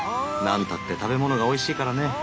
なんたって食べ物がおいしいからね。